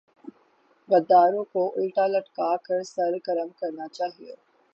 غداروں کو الٹا لٹکا کر سر قلم کرنا چاہیۓ